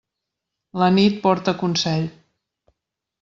La nit porta consell.